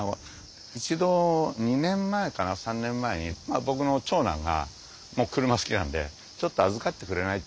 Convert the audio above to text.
一度２年前から３年前に僕の長男が車好きなんで「ちょっと預かってくれない？」